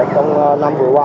trong năm vừa qua